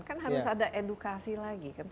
kan harus ada edukasi lagi kan